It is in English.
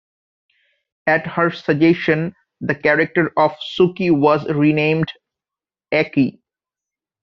At her suggestion, the character of Suki was renamed Aki.